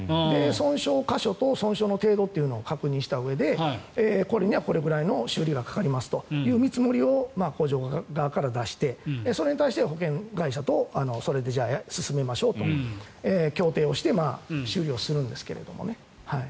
損傷個所と損傷の程度を確認したうえでこれにはこれぐらいの修理がかかりますという見積もりを工場側から出してそれに対して保険会社とそれでじゃあ進めましょうと協定をして修理をするんですけどね。